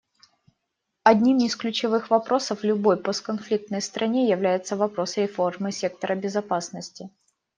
Одним из ключевых вопросов в любой постконфликтной стране является вопрос реформы сектора безопасности.